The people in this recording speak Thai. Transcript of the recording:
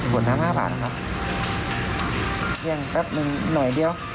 ขวดน้ำห้าพันครับเครื่องแป๊บหนึ่งหน่อยเดียว